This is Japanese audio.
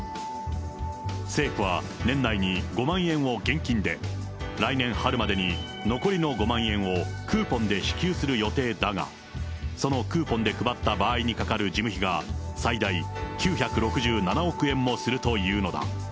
政府は年内に５万円を現金で、来年春までに残りの５万円をクーポンで支給する予定だが、そのクーポンで配った場合にかかる事務費が、最大９６７億円もするというのだ。